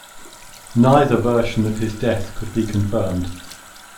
Neither version of his death could be confirmed.